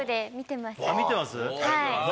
見てます？